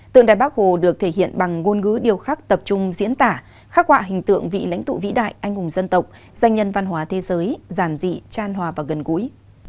tượng đài bắc hồ được thể hiện bằng ngôn ngữ điều khắc tập trung diễn tả khắc họa hình tượng vị lãnh tụ vĩ đại anh hùng dân tộc danh nhân văn hóa thế giới giản dị tràn hòa và gần gũi